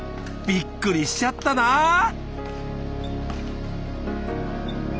びっくりしちゃったなぁ。